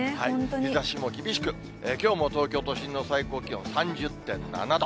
日ざしも厳しく、きょうも東京都心の最高気温３０．７度。